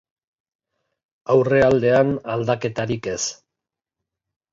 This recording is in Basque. Aurrealdean, aldaketarik ez.